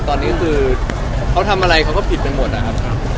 ตอนนี้คือเขาทำอะไรเขาก็ผิดไปหมดนะครับ